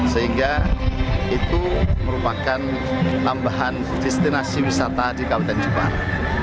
sehingga itu merupakan tambahan destinasi wisata di kabupaten jepara